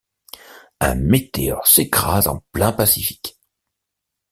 Un météore s'écrase en plein Pacifique.